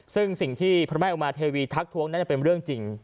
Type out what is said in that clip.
ซึ่งสิ่งที่พระแม่อุมาเทวีทักทวงน่าจะเป็นเรื่องจริง